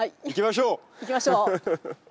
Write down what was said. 行きましょう！